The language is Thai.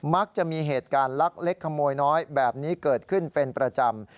มักจะมีเหตุการณ์ลักเล็กขโมยน้อยแบบนี้เกิดขึ้นเป็นประจำ